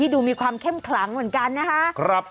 ดูมีความเข้มขลังเหมือนกันนะคะ